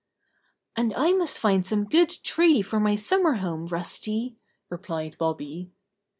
"And I must find some good tree for my summer home. Rusty," replied Bobby.